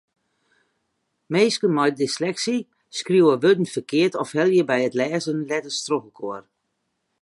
Minsken mei dysleksy skriuwe wurden ferkeard of helje by it lêzen letters trochinoar.